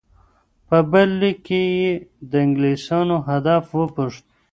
په بل لیک کې یې د انګلیسانو هدف وپوښت.